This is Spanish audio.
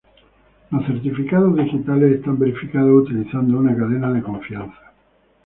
Los certificados digitales están verificados utilizando una cadena de confianza.